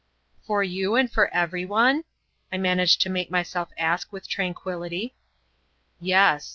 "For you and for every one?" I managed to make myself ask with tranquillity. "Yes.